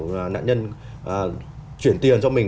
nạn nhân chuyển tiền cho mình